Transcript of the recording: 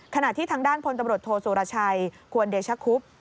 ขณะที่ทางด้านพลตำรวจโทษสุรชัยควรเดชคุบ